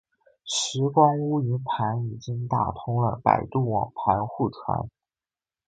拾光坞云盘已经打通了百度网盘互传